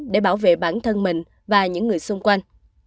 để bảo vệ bản thân mình và những người xung quanh